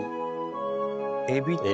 エビと。